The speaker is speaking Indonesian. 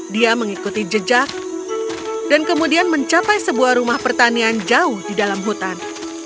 dia mengikuti jejak dan kemudian mencapai sebuah rumah pertanian jauh di dalam hutan